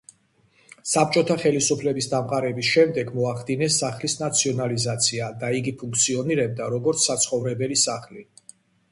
საბჭოთა ხელისუფლების დამყარების შემდეგ მოახდინეს სახლის ნაციონალიზაცია და იგი ფუნქციონირებდა, როგორც საცხოვრებელი სახლი.